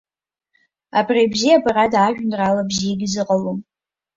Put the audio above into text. Абри абзиабарада ажәеинраала бзиагьы зыҟалом.